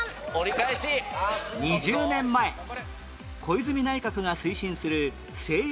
２０年前小泉内閣が推進する聖域